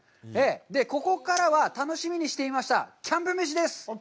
ここからは楽しみにしていましたキャンプ飯です！